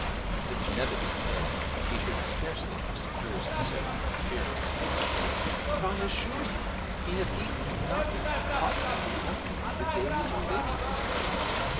Mr. Netherby said he should scarcely have supposed so from his appearance. 'But I assure you he has eaten nothing positively nothing for days and days!'